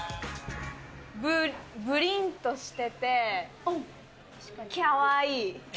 ブリンとしてて、きゃわいい。